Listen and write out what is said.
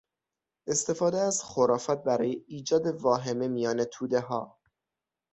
استفاده از خرافات برای ایجاد واهمه میان تودهها